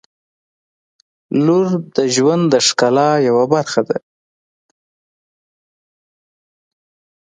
• لور د ژوند د ښکلا یوه برخه ده.